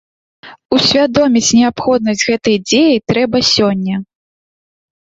Усвядоміць неабходнасць гэтай дзеі трэба сёння.